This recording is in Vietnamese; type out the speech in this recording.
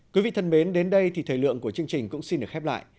quý vị thân mến đến đây thì thời lượng của chương trình cũng xin được khép lại